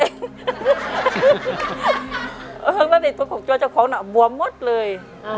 แล้วตอนนี้ตัวของเจ้าของน่ะบวมหมดเลย